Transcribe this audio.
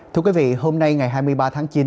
thưa quý vị hôm nay ngày hai mươi ba tháng chín